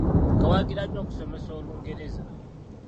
Kaawagira nnyo okusomesa Olungereza,